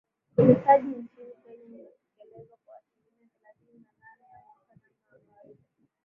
Ukeketaji nchini Kenya unatekelezwa kwa asilimia thelathini na nane ya wakazi Namna ya kawaida